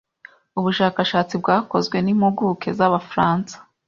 Ubushakashatsi bwakozwe n’impuguke z’abafaransa